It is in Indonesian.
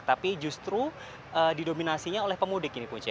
tapi justru didominasinya oleh pemudik ini punca